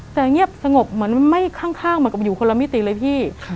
แต่เงียบสงบเหมือนไม่ข้างเหมือนกับอยู่คนละมิติเลยพี่